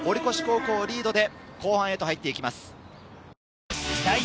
３対０と堀越高校リードで後半へと入っていきます。